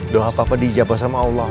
doa papa dijabah sama allah